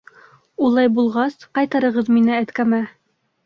Улай булғас, ҡайтарығыҙ мине әткәмә!